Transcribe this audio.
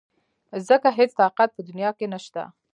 ځکه هېڅ طاقت په دنيا کې نشته .